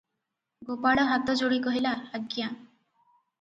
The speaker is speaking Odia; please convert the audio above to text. ଗୋପାଳ ହାତ ଯୋଡ଼ି କହିଲା, "ଆଜ୍ଞା!